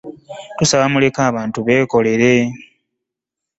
Tusaba muleke abantu bekolerere.